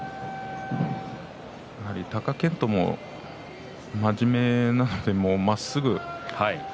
貴健斗も真面目なのでまっすぐ